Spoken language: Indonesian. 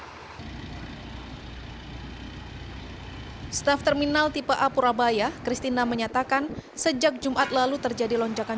hai staff terminal tipe a purabaya christina menyatakan sejak jumat lalu terjadi lonjakan